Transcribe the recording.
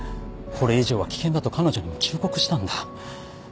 これ以上は危険だと彼女にも忠告したんだ。